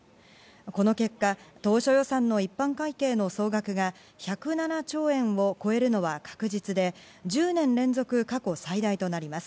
この結果、当初予算の一般会計の総額が１０７兆円を超えるのは確実で、１０年連続過去最大となります。